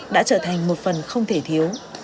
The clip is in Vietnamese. đã trở thành một phần không thể thiếu